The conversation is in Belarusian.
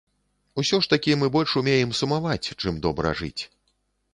Усё ж такі мы больш умеем сумаваць, чым добра жыць.